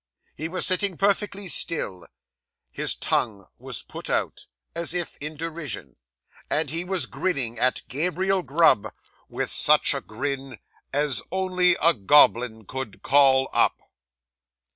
He was sitting perfectly still; his tongue was put out, as if in derision; and he was grinning at Gabriel Grub with such a grin as only a goblin could call up.